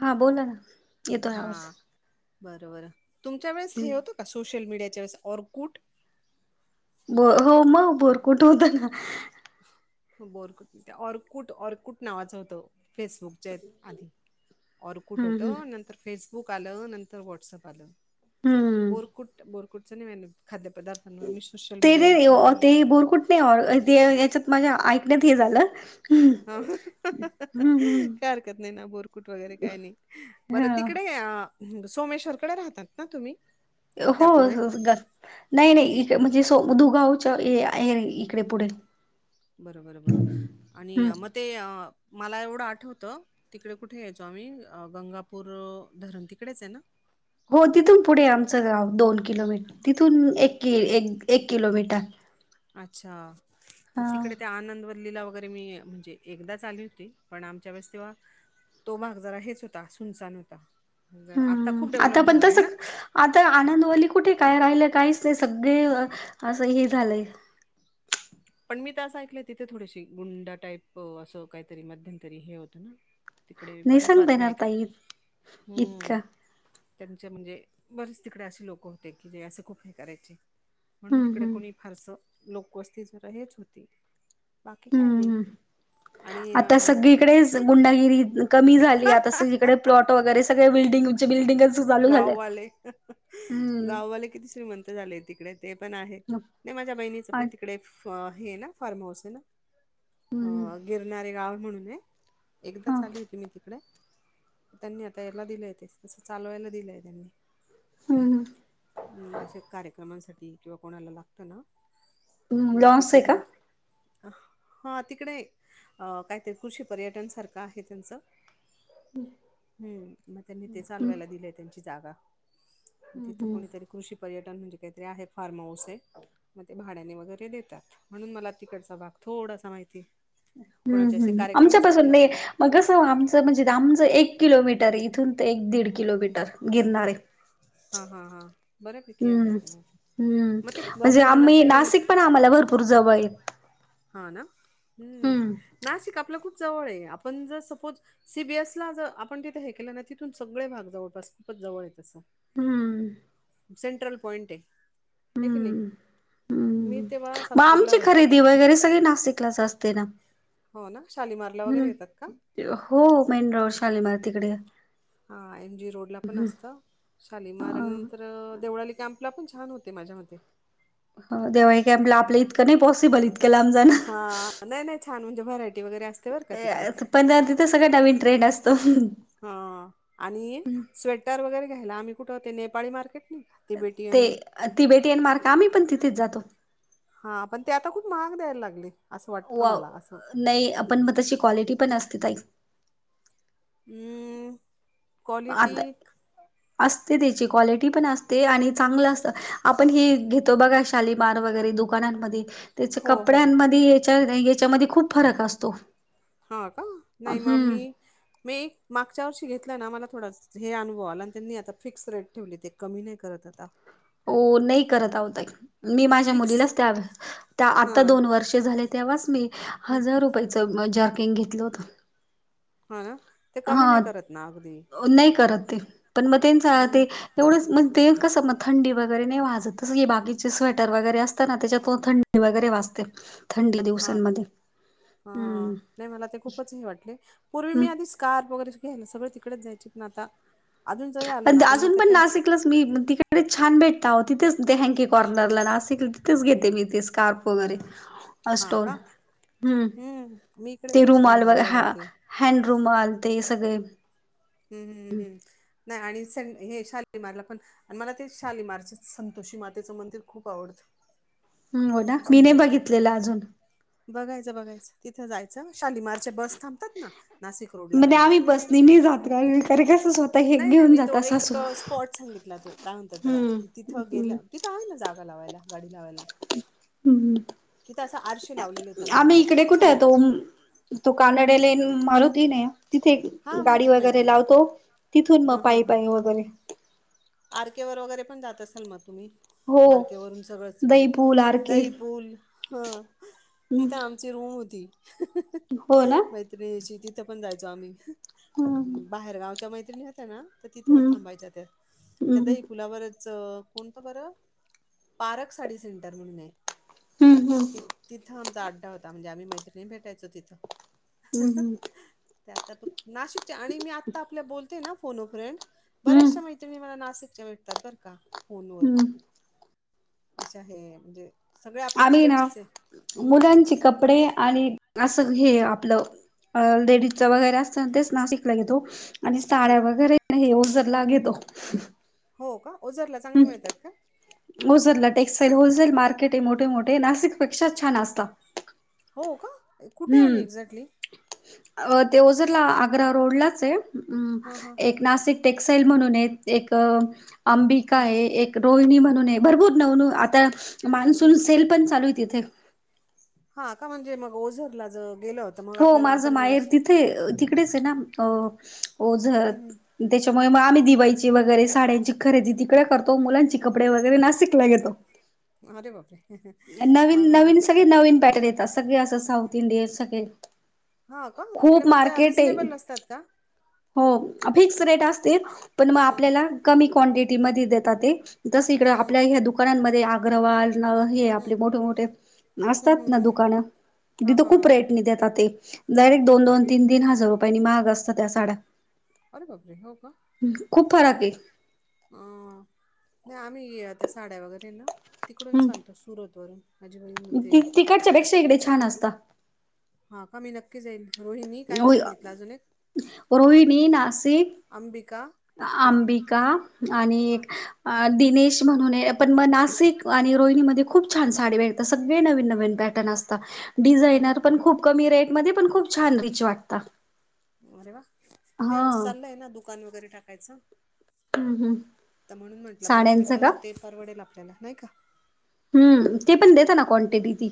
हा बोला ना येतोय आवज हा बरोबर तुमच्या वेळेस हे होतं का सोशल मीडियाच्या वेळेस ऑर गुट ब हो मग बोर कुठे होत ना बोरकुट त्या ऑरकुट ऑरकुट नावाचं होतं. फेसबुकच्या आधी और कुठ हम्म हम्म होतं नंतर फेसबुक आलं नंतर व्हॉट्सअप आलं हम्म बोर- बुट बोरुटचं नाही खाद्यदारथांवर मी सोशल ते नाही मीडियावर बोलत. ते बोरकुट याच्यात माझ्या ऐकण्यात हे झालं. हा. हम्म हम्म काय हरकत नाही ना बोरकुट वगैरे काय नाही बरं ह तिकडे सोमेश्वर कडे राहतात ना तुम्ही त्या हो. पुढे नाही नाही इकडे म्हणजे स दुगावच्या आहे इकडे पुढे बर बर बरं आणि हम्म मग ते मला एवढं आठवतं. तिकडे कुठे यायचो आम्ही गंगापूर धरण तिकडेच आहे ना. हो तिथून पुढे आमचं गाव दोन किलोमीटर तिथून एक कि एक एक किलोमीटर अच्छा म हा तिकडे त्या आनंद दिल्लीला वगैरे मी म्हणजे एकदाच आली होती पण आमच्या वेळेस तेव्हा तो भाग जरा हेच होता सुनसान होता जरा आता हम्म खूप आता डेव्हलप पण झाला आहे तस ना आता आनंदवाली कुठे काय राहिलं काहीच नाही सगळे असं हे झालंय पण मी तर असं ऐकलंय तिथे थोडीशी गुंडा टाईप असं काहीतरी मध्यम तरी हे होतं ना तिकडे नाही बर्याच सांगता बातम्या येणार ऐका ताई हम्म इतकं त्यांच्या म्हणजे बरेच तिकडे असे लोक होते की जे असं खूप हे करायचे म्हणून हम्म तिकडे हम्म कोणी फारसं लोकवस्ती जरा हेच होती बाकी काय हम्म नाही हम्म आणि आता अं, सगळीकडेच गुंडागिरी कमी झाली आता सग इकडे प्लॉट वगैरे सगळे बिल्डिंग बिल्डिंगस गाववाले हम्म गाववाले किती श्रीमंत झाले तिकडे ते पण आहे नाही माझ्या बहिणीच पण आणि तिकडे हे ना फार्म हाऊस आहे हम्म ना अ गिरणारे गाव म्हणून ये एकदा हा चाली होती मी तिकडे त्यांनी आता याला दिलंय ते तसं चालवायला दिलंय त्यांनी हम्म अशा कार्यक्रमांसाठी किंवा कोणाला लागत ना हम्म मदी लॉस आहे का तरुून हा तिकडे कायतरी कृषी पर्यटन सारखं आहे त्यांचं हम्म मग त्यांनी ते हम्म चालवायला दिलेय त्यांची जागा म तिथं हम्म कोणीतरी कृषी पर्यटन म्हणजे काहीतरी आहे फार्म हाऊस आहे मग ते भाड्याने वगैरे देतात म्हणून मला तिकडचा भाग थोडासा माहिती हम्म कोणाचे असे हम् कार्यक्रम आमच्या असतात पाासून ना नाही मगसं आमचं म्हणजे आमचं एक किलोमीटर आहे इथून तर एक दीड किलोमीटर गिरणार आहे हा हा हा बऱ्यापैकी आहे हम्म हम्म मग ते म्हणजे आम्ही धरणाचं हे नाशिक पण आम्हाला भरपूर जवळ येत हा ना हम् नाशिक आपला खूप जवळ आहे आपण जर सपोज सीबीएस ला आपण तिथे हे केलं ना तिथून सगळे भाग जवळपास खूपच जवळ य असं हम् सेंट्रल पॉइंट आहे हे क नाही हम्म मी हम्म तेव्हा मग सातपूरला आमची राहायचे खरेदी वगैरे सगळे नाशिकलाच असते ना हो ना शालीिमारला वगैरे हम्म येतात का हो मेन र शालीिमार तिकडे हा एम जी रोड ला पण असतं शालमार अ तर देवळाली कॅम्पला पण छान होते माझ्या मते देवाई कॅम्प आपलं इतं नाही पॉसिबल इत हा नाही नाही छान म्हणजे व्हरायटी वगैरे अस पण तिथं सगळं नवीन ट्रेंड असतो हा आणि स्वेटर वगैरे घ्यायला आम्ही कुठे होते नेपाळी मार्केट नाहीघ ते ती बेटी येन मार् का आम्ही पण तिथेच जातो हा पण ते आता खूप महाग द्यायला लागले असं वाटतं वा मला असं नाही आपण मग तशी क्वालिटी पण असते तई हम्म क्वालिटी आता असते त्याची क्वालिटी पण असते आणि चांगलं असतं आपण हेी घेतो बघा शालीमार वगैरे दु दुकानामध्ये त्याच्या हो हो कपड्यांमध्ये याच्या याच्यामध्ये खूप फरक असतो हा का नाही मम हम्म ममी मी एक मागच्या वर्षी घेतलं ना मला थोडा हे अनुभव आला आणि त्यांनी आता फिक्स रेट ठेवली ते कमी नाही करतात कुत्ता हो नाही करत आहतय मी माझ्या फिक्स मुलीलाच त्या त्या आता हां दोन वर्षे झाले तेव्हाच मी हं, हजार रुपयाच जारकिंग घेतलं होत हा हा नाही करत ते पण मग ते सां ते हं, एवढंच म्हण ते कसं मग थंडी वगैरे नाही वाजत तसं बाकीचे स्वेटर वगैरे असतं ना त्याच्यातून थंडी वगैरे वाचते थंड हां दिवसांमध्ये हा हम्म नाही मला ते खूपच हे वाटले पूर्वी मी हम्म. आधीच कार वगैरे घ्यायला सगळ तिकडेच जाय पण आता अजून जरी आलो ना पण अजून मग त्यांच. नाशिकलाच मी तिकडे छान भेटत आो तिथेच ते हँकी कॉर्नरला नाशिक तिथेच घेते मी ते स्कार्प वगैरे असत हा का हम् हम्म मी इकडे जाते तेिरुमाल व शालीमारला हा. जाते हँडरूमाल आल ते सगळे. हम्म हम्म् हम् नाही आणि स हे शालीमारला पण आणि मला ते शालिमारच संतोषी मातेचं मंदिर खूप आवडतं. हो ना खूप मी नाही सुंदर आहे ते बघितलेलं हा. अजून बघायचं बघायचं तिथं जायचं शालिमार बस थांबतात ना नाशिक रोडला जायला. हमी जाते कसत. नाही नाही मी तो एक स्पॉट सांगितला तो काय म्हणता तर की तिथं गेलं. तिथं आहे ना जागा लावायला गाडी लावायला. हम् तिथं असं आरशे लावलेले आहेत त्या आम्ही मंदिरात इकडे खूप कुठे छान येतो. तू कानड्याला मारूतीन तिथे हा गाडी माहिती वगैरे माहिती लावतो तिथून मग हां हां पायी हां पायी वगैरे आर केे वर वगैरे पण जात असाल मग तुम्ही? हो आरकेवरून सगळं तिकडे दही पूल आर के जाई पूल हम्म तिथं आम रूम होती हो ना मैत्रिणीची तिथं पण जायचो आम्ही हा. बाहेरगावच्या मैत्रिणी असत ना तर तिथं हम्म थांबायच्या त्या त्या हम्म दहीु. तुलावरच कोणतं बरं पारख साडी सेंटर म्हणून आहे. हम्म हम्म. ति तिथं आमचा अड्डा होता म्हणजे आम्ही मैत्रिणी भेटायचो तिथं. ते आता बघ नाशिकच्या आणि मी आत्ता आपल्या बोलते ना फोन फ्रेंड बऱ्याचशा हम्म माहिती तुम्ही मला नाशिकच्या भेटतात बरं का फोनवर हम्म अशा हे म्हणजे सगळे आपल्या आम्ही ना तिकडचेच आहे हम्म मुलांचे कपडे आणि असं हे आपलं लेडीजच वगैरे असत तेच ना शिकला येतो. आणि हम्म साड्या वगैरे हे ओजर ला येतो. हो का ओजरला चांगला मिळतात का? ओसरला टेक्स्टाईल होलसेल मार्केट आहे मोठे मोठे आहे नाशिकपेक्षा छान असता. हो का कुठे आहे एक्झॅक्टली अ ओझरला ते ला आग्रा रोडलाच हां हां आहे एक नाशिक टेक्सटाइल म्हणून आहेत एक अंबिका हं आहे एक. रोहिणी म्हणूनय भरपूर नवनवीन आता हं मान्सून सेल पण चालू आहे तिथे हा का म्हणजे मग ओझरला ज गेलं होत मग आपल्याला आपण ते तिकडेच आहे ना अ ओझरला हं त्याच्यामुळे मग आम्ही दिवाळीची वगैरे साड्यांची खरेदी तिकडे करतो मुलांचे कपडे वगैरे नाशिकला गेतो. अरे बापरे नवीन मला नवीन सगळे नवीन पॅटर्न येतात सगळे असं साऊथ इंडियन सगळे. हा का तिकडे खूप मग त्या मार्केट आहे रिजनेबल असतात का? हो फिक्स रेट असते पण मग हं आपल्याला कमी क्वांटिटी म देतात ते तस इकडे हं हं आपल्या ह्या दुकानांमध्ये अग्रवाल हे. आप हं मोठे मोठे हम्म असतात हम्म ना हम्म. दुकानं हां तिथं हां खूप हां रेट देतात ते डायरेक्टो दोन तीन तीन हजार रुपयानी मगत त्या साड्या. अरे बाप रे हो का? ह खूप फरक आहे. नाही आम्ही ये आता साड्या वगैरे ना तिकडून सांगतो सुरतवरून. माझी बहीण ते त तिकडच्या पेक्षा इकडे छान असत. हा का मी नक्की जाईल रोहिणीनी काय सांगितलं अजून एक. रोहिणी नाशिक. अंबिका. हां अंबिका आणि हां एक दिनेश म्हणून आहे. पण मग नाशिक आणि रोहिणीमध्ये खूपछान साडी भेटतात सगळे नवीन नवीन बॅ [unintelligible] अरे डिझायनर वा पण खूप कमी रेट मध्ये पण खूप छान रीच वाटत. अरे वा! नाही आमचं चाललं आहे ना दुकान वगैरे टाकायचं. हम्म हम्. आता म्हणून म्हंटलं मग तिथं ते परारवडेल आपल्याला नाही का. हम्म, ते पण देत ना क्वांटिटी.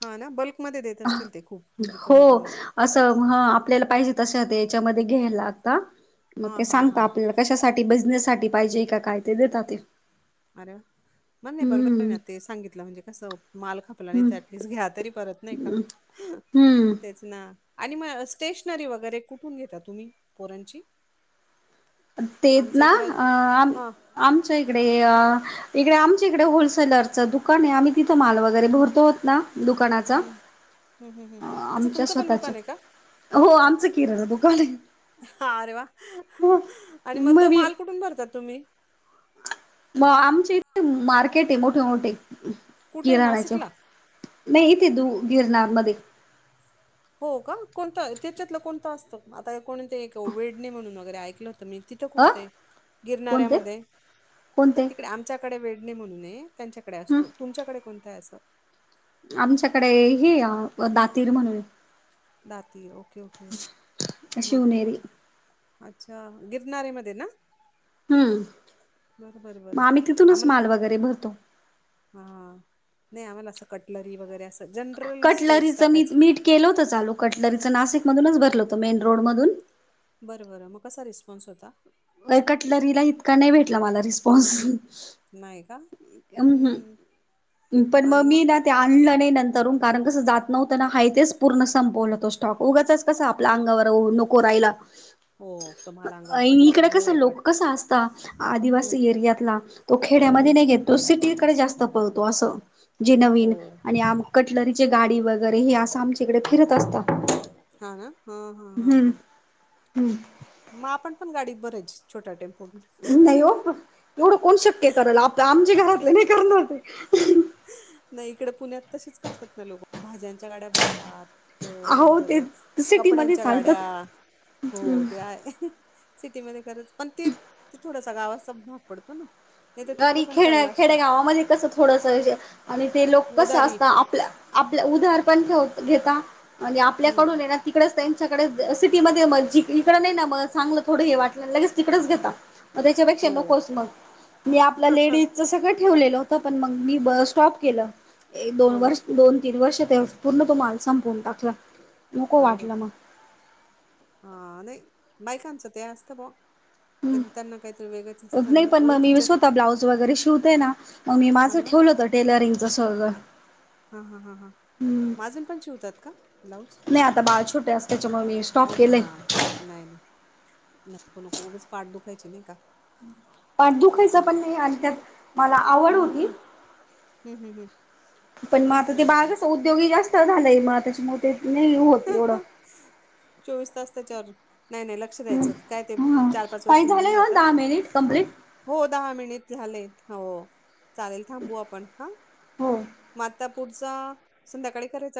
हा ना बल्कमध्ये देत असतील ते खूप म्हणजे हो कमी करून. असं ह आपल्याला पाहिजे तशी ते याच्यामध्ये घ्यायला लागता मग हां ते हां सांगता हां आपल्याला. कशासाठी बिझनेस साठी पाहिजे का काय ते देतात ते. अरे वा! मण नाही बरोबर आहे हम्म ना ते सांगितलं म्हणजे कसं माल खपला नाही हम्म तर अऍटलिस्ट घ्या तरी परत. नाही का हम्म तेच. ना आणि मग स्टेशनरी वगैरे कुठून घेता तुम्ही पोरणची. तेच ना अ आम हां. आमच्या इकडे अ. इकडे आमच्या इकडे होलसेलरचं दुकान आहे. आम्ही तिथं माल वगैरे भरतोत ना दुकानात. हम्! हम् हम्म हम्, अच्छा! तुमचं पण स्वतःच्या दुकान आहे का? हो आमचं किराणा दुकान आहे हा आरे वा! हो आणि मग तो माल कुठून भरतात तुम्ही. म हं. आमचे इथे मार्केट आहे मोठे मोठे कुठे किराणाचे. नाशिकला? नाही ते दू गिरनार मध्ये. हो का, कोणतं त्याच्यातलं कोणतं असतं आता कोणते वेडने म्हणून वगैरे ऐकलं होतं मी. तिथं अ कोणतं आहे कोणते गिरणाऱ्यामध्ये कोणते तिकडे आमच्याकडे वेडणे म्हणून ये. त्यांच्याकडे ह असतो तुमच्याकडे कोणतं आहे असं. आमच्याकडे हे दातीर म्हणून. दाती ओके ओके म शिवनेरी अच्छा गिरनऱेमध्ये ना. हम्म, बरं बरं बरं. मग आम्ही तिथूनच माल वगैरे भरतो. हा नाही आम्हाला असं कटलरी वगैरे असं जनरल स्टोर्स कटलरीचं मी टाकायच. मीठ केलं होतं चालू कटलरीच नाशिक मधूनच भरल होतं मेन रोड मधून. बरं बरं मग कसा रिस्पॉन्स होता. लय कटलरीला इतका नाही भेटला मला रिस्पॉन्स. नाही का? म हं. हम्म, पण आणि ममी ना मग ते आत आणलं नाही नंतरून कारण कसं जात नव्हतं ना हाय तेच पूर्ण संपवलं तो स्टॉक. उगचच कसं आपल्या अंगावर [unintelligible] राहिला. हो तुम्हाला अंगावर पडलं का लय कस वाईट लोक वाटतं कस असत हं आदिवासी एरियातला तो खेड्यामध्ये हं नाही घेत. तो सिटीकडे जास्त पळतो. असं जे हो नवीन आणि आम कटलरीची गाडी वगैरे हे असं आमच्याकडे फिरत असतात. हा ना, ह ह ह हम्म ह. हम्म मग आपण पण गाडीत भरायची छोटा टेम्पो घेऊन. नाही हो प एवढं कोण शक्य करायला आपलं आमचे घरातले नाही करणार. नाही इकडे पुण्यात तसेच करतात ना लोक भाज्यांच्या गाड्या भरतात. तर अहो नंतर ते सिटीमध्ये कपड्यांच्या गाड्या चालतात हो त्या. सिटीमध्ये खरच पण ते थोडासा गावाचा भाग पडतो ना. नाही तर तिकडे घरी पण खेड्या चाललं खेड्या असतं गावामध्ये कस थोडस आणि ते लोक कसे उदारी असतात आपल्या आपल्या उदाहार पण ठेव घेता. म्हणजे हं आपल्याकडून ये ना. तिकडेच त्यांच्याकडे सिटीमध्ये मजे इकडे नाही ना म चांगलं थोडं हे वाटलं लगेच तिकडेच घेता. मग त्याच्यापेक्षा हो नकोच मग. मी आपलं लेडीजच सगळं ठेवलेलं होतं पण मग मी ब स्टॉप केलं. एक दोन हो ना वर्ष दोन तीन वर्ष ते पूर्ण तुम्हाला संपवून टाकला. नको अरे वाटलं बापरे मग हा नाही बायकांचं ते अस असत भा. ह् नाही पण मग मीी ओळखीच्या स्वतः ब्लाऊज वगैरे शिवते ना मग मी माझं अरे वा ठेवलं तर. टेलरिंगचं स्वर्ग हा हा हा हां. माजून पण शिवतात का ब्लाऊज नाही आता बाळ छोटे असत त्याच्यामुळे मी स्टॉप अरे हा. केलंय नाही नाही नको नको उच पाठ दुखायची नाही का? प दुखायच तेच ना पण नाही आणि त्यात मला आवड होती. हम्म हम्म हम्म हम्म पण बर मग आता बर ते बर बाळ कस उद्योगी जास्त झालंय मग त्याच्यामुळे नाही. होत एवढं. चोवीस तास त्याच्यावर नाही नाही लक्ष. लक्ष द्यायचं काय ते ह चार पाच वर्ष ताई निघून झालंय हो जात. दहा मिनिट कंप्लीट हो दहा मिनिट झालेत हो चालेल थांबू आपण हा. हो. मग आता पुढचा संध्याकाळी करायचा.